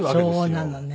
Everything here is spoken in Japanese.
そうなのね。